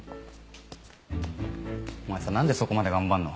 お前さ何でそこまで頑張んの？